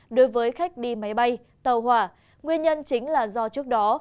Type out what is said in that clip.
đối với khách đi máy bay tàu hỏa nguyên nhân chính là do trước đó